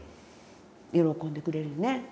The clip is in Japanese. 喜んでくれるね。